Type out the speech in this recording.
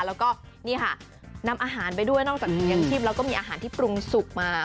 แล้วก็นี่ค่ะนำอาหารไปด้วยนอกจากยังชีพแล้วก็มีอาหารที่ปรุงสุกมา